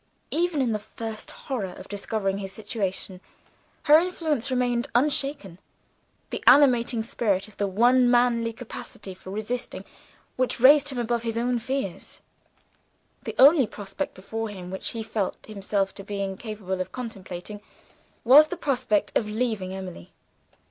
Even in the first horror of discovering his situation, her influence remained unshaken the animating spirit of the one manly capacity for resistance which raised him above the reach of his own fears. The only prospect before him which he felt himself to be incapable of contemplating, was the prospect of leaving Emily.